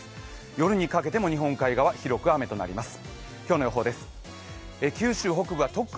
夜にかけても日本海側、広く雨となります。